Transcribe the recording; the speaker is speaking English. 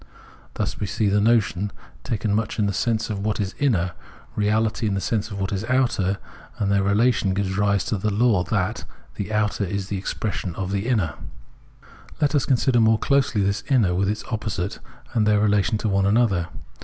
Thus we see the notion taken much in the sense of what is inner, reahty in the sense of what is outer ; and their relation gives rise to the law that " the outer is the expression of the inner." Let us consider more closely this inner with its opposite and their relation to one another.